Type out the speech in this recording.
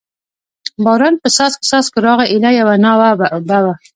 باران په څاڅکو څاڅکو راغی، ایله یوه ناوه به و.